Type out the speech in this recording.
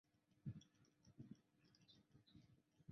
东汉罗侯。